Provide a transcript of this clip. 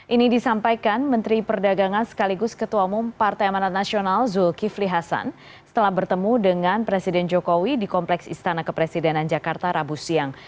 ini disampaikan menteri perdagangan sekaligus ketua umum partai amanat nasional zulkifli hasan setelah bertemu dengan presiden jokowi di kompleks istana kepresidenan jakarta rabu siang